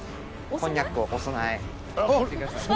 こんにゃくをお供え。